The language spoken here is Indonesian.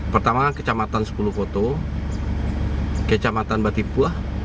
pertama kecamatan sepuluh foto kecamatan batipuah